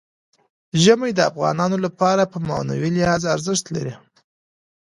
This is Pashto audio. ژمی د افغانانو لپاره په معنوي لحاظ ارزښت لري.